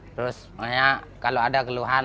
terus kalau ada keluhan